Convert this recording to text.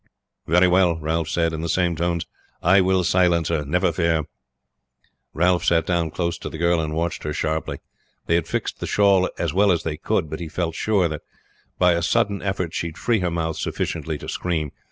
"Very well," Ralph said in the same tones. "I will silence her, never fear." Ralph sat down close to the girl and watched her sharply. They had fixed the shawl as well as they could, but he felt sure that by a sudden effort she could free her mouth sufficiently to scream.